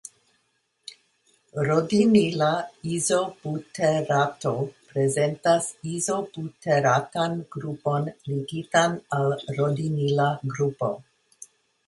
Rodinila izobuterato prezentas izobuteratan grupon ligitan al rodinila grupo.